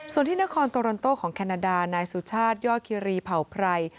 ส่วนที่นครโตรันโตของแคนาดานายสุชาติย่อคิรีเผ่าไพร